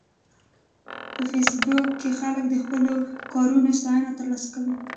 په فېسبوک کې خلک د خپلو کارونو ستاینه ترلاسه کوي